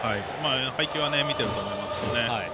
配球は見ていると思いますよね。